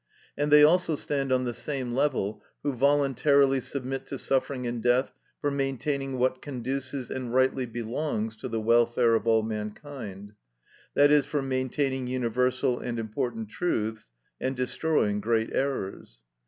And they also stand on the same level who voluntarily submit to suffering and death for maintaining what conduces and rightly belongs to the welfare of all mankind; that is, for maintaining universal and important truths and destroying great errors.